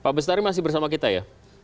pak bestari masih bersama kita ya